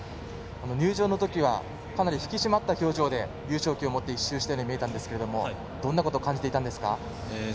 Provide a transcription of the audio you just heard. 入場の時はかなり引き締まった表情で優勝旗を持って１周したように見えたのですがどんなことを感じていたんですか。